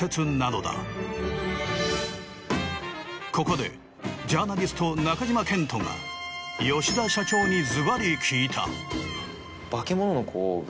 ここでジャーナリスト中島健人が吉田社長にズバリ聞いた。